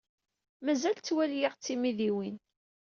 Mazal tettwali-aɣ d timidiwin.